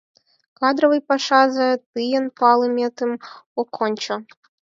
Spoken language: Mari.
Кадровый пашазе тыйын палыметым ок ончо.